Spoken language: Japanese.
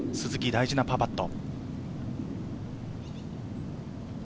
大事なパーパット。